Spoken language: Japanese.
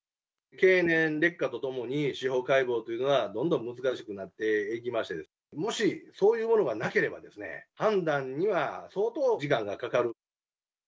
経年劣化とともに司法解剖というのは、どんどん難しくなっていきまして、もしそういうものがなければ、判断には相当時間がかかる。